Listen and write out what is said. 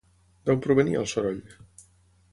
D'on provenia el soroll?